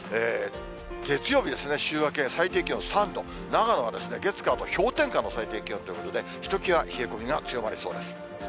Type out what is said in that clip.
月曜日ですね、週明け、最低気温３度、長野は月、火と氷点下の最低気温ということで、ひときわ冷え込みが強まりそうです。